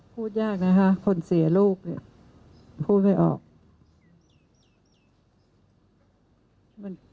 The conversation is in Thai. พูดยากนะคะคนเสียลูกเนี่ยพูดไม่ออก